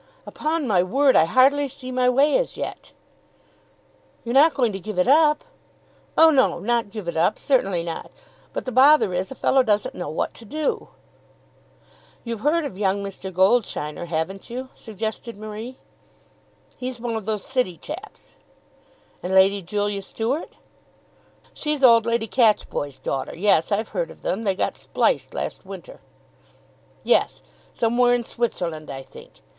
"Upon my word I hardly see my way as yet." "You're not going to give it up!" "Oh no; not give it up; certainly not. But the bother is a fellow doesn't know what to do." "You've heard of young Mr. Goldsheiner, haven't you?" suggested Marie. "He's one of those city chaps." "And Lady Julia Start?" "She's old Lady Catchboy's daughter. Yes; I've heard of them. They got spliced last winter." "Yes, somewhere in Switzerland, I think.